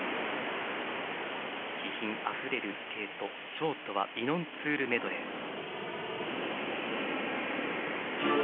気品あふれるスケートショートは「イノン・ツゥールメドレー」。